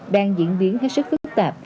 đang diễn biến hết sức phức tạp